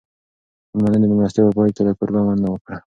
مېلمنو د مېلمستیا په پای کې له کوربه مننه وکړه.